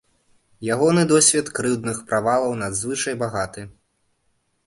Ягоны досвед крыўдных правалаў надзвычай багаты.